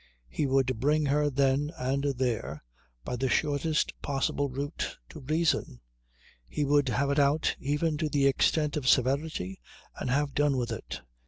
He would bring her then and there, by the shortest possible route, to reason. He would have it out even to the extent of severity and have done with it.